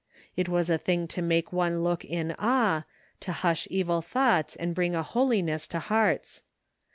It was a thing to make one look in awe, to hush evil thoughts and bring a holiness to hearts.